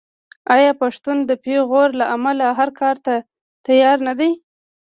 آیا پښتون د پېغور له امله هر کار ته تیار نه دی؟